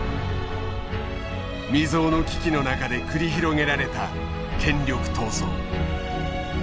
未曽有の危機の中で繰り広げられた権力闘争。